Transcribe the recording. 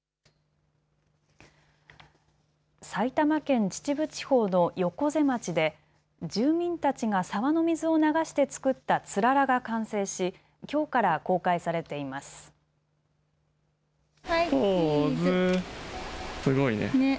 埼玉県秩父地方の横瀬町で住民たちが沢の水を流して作ったつららが完成しきょうから公開されています。